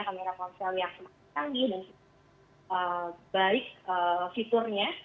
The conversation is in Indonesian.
kamera ponsel yang semangat tanggi dan baik fiturnya